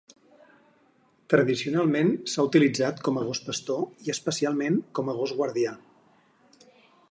Tradicionalment s'ha utilitzat com a gos pastor i especialment com a gos guardià.